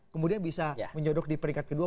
kemudian bisa menjodok di peringkat kedua